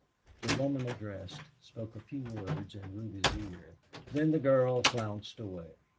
The woman addressed spoke a few words in Ruby's ear. Then the girl flounced away.